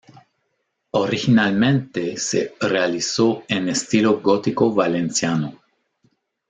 Originalmente se realizó en estilo gótico valenciano.